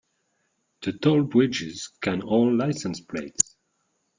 The toll bridges scan all license plates.